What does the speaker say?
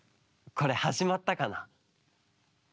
これはじまったかな？